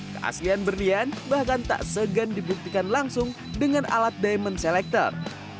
keaslian berlian bahkan tak segan dibuktikan langsung dengan alat diamond selector